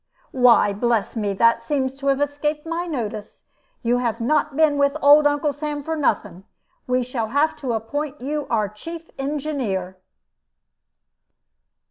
"Why, bless me! That seems to have escaped my notice. You have not been with old Uncle Sam for nothing. We shall have to appoint you our chief engineer."